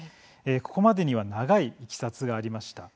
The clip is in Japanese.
ここまでには長いいきさつがありました。